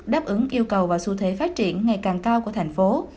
đáp ứng yêu cầu và xu thế phát triển ngày càng cao của thành phố